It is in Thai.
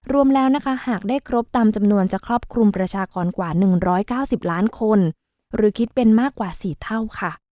รวมแล้วนะคะหากได้ครบตามจำนวนจะครอบคลุมประชากรกว่า๑๙๐ล้านคนหรือคิดเป็นมากกว่า๔เท่าค่ะ